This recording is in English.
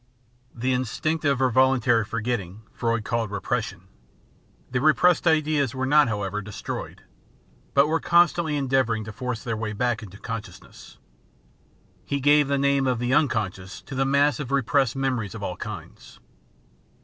The instinctive or voluntary forgetting Freud called Repres sion; the repressed ideas were not, however, destroyed, but were constantly endeavouring to force their way back into conscious ness. He gave the name of the "unconscious" to the mass of repressed memories of all kinds.